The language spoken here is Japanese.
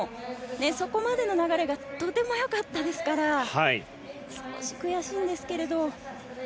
そこまでの流れがとても良かったですから少し悔しいんですけれど。